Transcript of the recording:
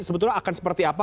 sebetulnya akan seperti apa